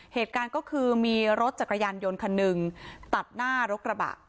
เหตุการณ์ก็คือมีรถจักรยานยนต์คันหนึ่งตัดหน้ารถกระบะ